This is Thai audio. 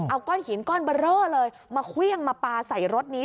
เอาก้อนหินก้อนเบอร์เรอเลยมาเครื่องมาปลาใส่รถนี้